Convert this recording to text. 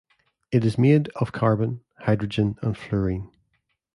It is made of carbon, hydrogen, and fluorine.